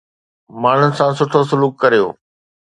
ماڻهن سان سٺو سلوڪ ڪريو